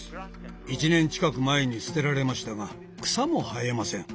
１年近く前にすてられましたが草も生えません。